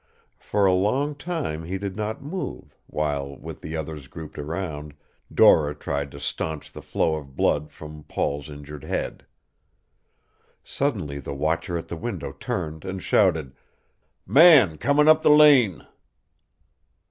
For a long time he did not move, while, with the others grouped around, Dora tried to stanch the flow of blood from Paul's injured head. Suddenly the watcher at the window turned and shouted, "Man comin' up the lane!"